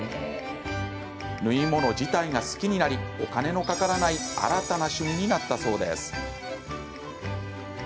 縫い物自体が好きになりお金のかからない新たな趣味になったそうです。